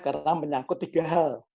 karena menyangkut tiga hal